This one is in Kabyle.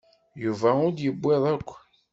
Yuba ur d-yewwiḍ akk.